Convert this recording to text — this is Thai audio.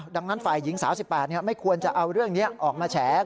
ดังนั้นฝ่ายหญิงสาว๑๘ไม่ควรจะเอาเรื่องนี้ออกมาแฉ